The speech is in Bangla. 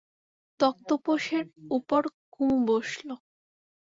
তক্তপোশের উপর কুমু বসল।